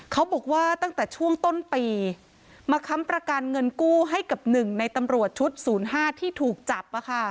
เขาบอกว่าตั้งแต่ช่วงต้นปีมาค้ำประกันเงินกู้ให้กับ๑ในตำรวจชุด๐๕ที่ถูกจับ